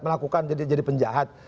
melakukan jadi penjahat